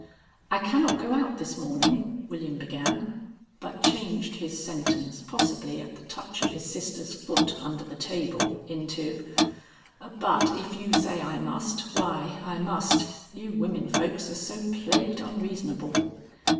"I cannot go out this morning," William began, but changed his sentence, possibly at the touch of his sister's foot under the table, into: "But if you say I must, why, I must. You women folks are so plagued unreasonable."